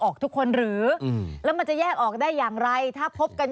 ทุกคนหรือแล้วมันจะแยกออกได้อย่างไรถ้าพบกัน